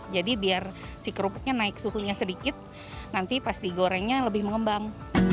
jadi biar si kerupuknya naik suhunya sedikit nanti pas digorengnya lebih mengembang